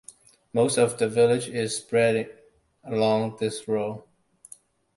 Most of the village is spread along this road.